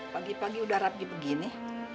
pagi pagi udah rapi begini